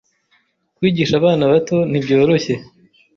Kwigisha abana bato ntibyoroshye.